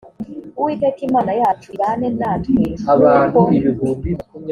uwiteka imana yacu ibane natwe nk uko